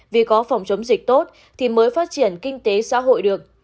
vì có phòng chống dịch tốt thì mới phát triển kinh tế xã hội được